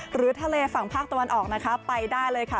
หรือทะเลฝั่งภาคตะวันออกนะคะไปได้เลยค่ะ